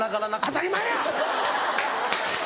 当たり前や！